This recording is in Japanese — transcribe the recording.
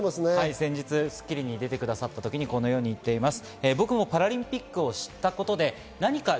先日『スッキリ』に出ていただいたとき、このように言っていました。